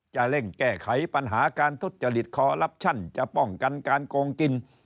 จะเร่งแก้ไขปัญหาการทุจริตคอลลับชั่นจะป้องกันการโกงกิน